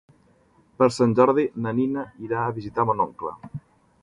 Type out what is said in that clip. Per Sant Jordi na Nina irà a visitar mon oncle.